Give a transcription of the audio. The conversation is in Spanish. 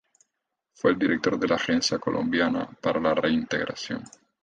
Fue el director de la Agencia Colombiana para la Reintegración.